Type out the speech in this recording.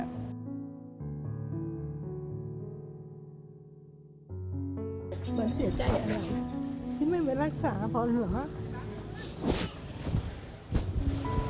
มันเสียใจอันนั้นที่ไม่มีรักษาพอแล้วหรอ